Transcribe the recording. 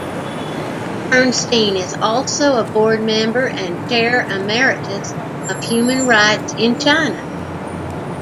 Bernstein is also a board member and Chair Emeritus of Human Rights in China.